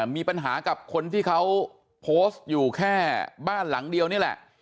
มีปัญหากับคนที่เขาโพสต์อยู่แค่บ้านหลังเดียวนี่แหละ